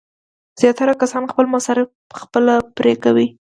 زیاتره کسان خپل مصارف خپله پرې کوي.